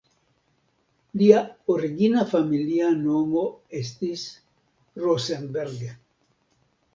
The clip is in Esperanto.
Lia origina familia nomo estis "Rosenberg".